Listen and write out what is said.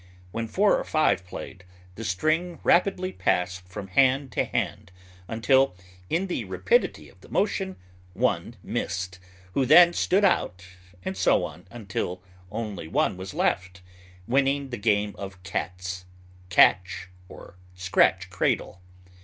When four or five played, the string rapidly passed from hand to hand until, in the rapidity of the motion, one missed, who then stood out, and so on until only one was left, winning the game of cat's, catch, or scratch cradle.